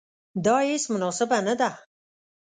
دا هیڅ مناسبه نه ده.